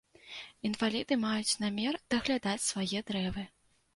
Інваліды маюць намер даглядаць свае дрэвы.